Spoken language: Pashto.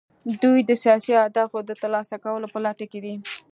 دوی د سیاسي اهدافو د ترلاسه کولو په لټه کې دي